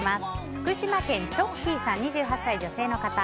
福島県、２８歳、女性の方。